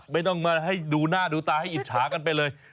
ไม่ต้องมาให้ดูหน้าดูตาให้อิจฉากันไปเลย